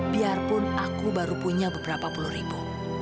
biarpun aku baru punya beberapa puluh ribu